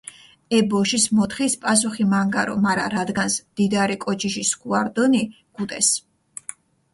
ე ბოშის მოთხის პასუხი მანგარო, მარა რადგანს დიდარი კოჩიში სქუა რდჷნი, გუტეს.